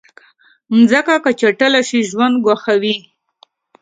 مځکه که چټله شي، ژوند ګواښي.